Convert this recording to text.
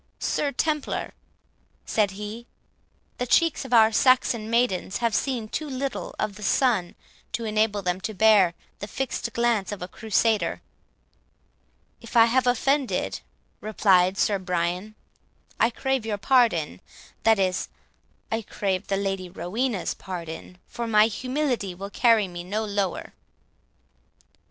"Sir Templar," said he, "the cheeks of our Saxon maidens have seen too little of the sun to enable them to bear the fixed glance of a crusader." "If I have offended," replied Sir Brian, "I crave your pardon,—that is, I crave the Lady Rowena's pardon,—for my humility will carry me no lower."